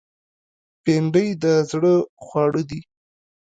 بېنډۍ د زړه خواړه دي